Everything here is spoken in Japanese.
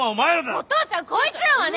お父さんこいつらはね。